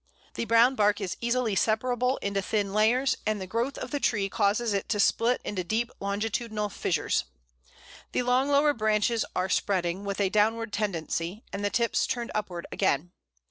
The brown bark is easily separable into thin layers, and the growth of the tree causes it to split into deep longitudinal fissures. The long lower branches are spreading, with a downward tendency, and the tips turned upward again.